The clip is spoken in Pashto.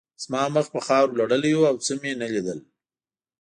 زما مخ په خاورو لړلی و او څه مې نه لیدل